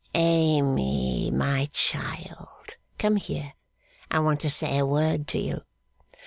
'Amy, my child, come here. I want to say a word to you.